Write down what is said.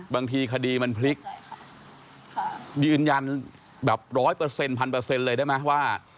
บางทีคดีมันพลิกยืนยันแบบร้อยเปอร์เซ็นพันเปอร์เซ็นต์เลยได้ไหมว่า